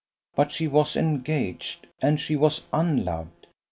But she was engaged, and she was unloved.